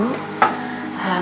terima kasih ibu